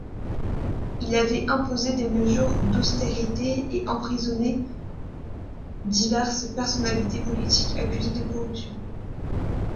Il avait imposé des mesures d'austérité, et emprisonné diverses personnalités politiques accusées de corruption.